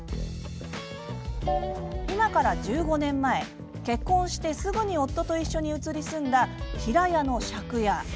今から１５年前結婚してすぐに夫と一緒に移り住んだ平屋の借家。